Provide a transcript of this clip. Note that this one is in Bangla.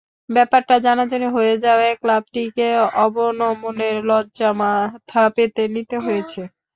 ব্যাপারটা জানাজানি হয়ে যাওয়ায় ক্লাবটিকে অবনমনের লজ্জা মাথা পেতে নিতে হয়েছে।